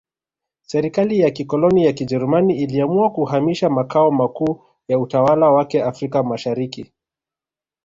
Serikali ya kikoloni ya Kijerumani iliamua kuhamisha makao makuu ya utawala wake Afrika Mashariki